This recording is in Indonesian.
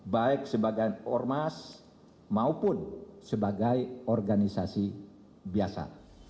baik sebagai ormas maupun sebagai organisasi biasa